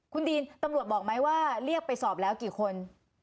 คุณดีนตำรวจบอกไหมว่าเรียกไปสอบแล้วกี่คน